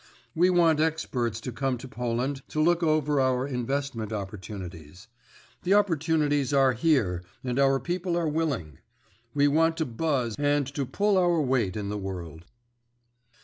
We want experts to come to Poland to look over our investment opportunities. The opportunities are here and our people are willing. We want to buzz and to pull our weight in the world."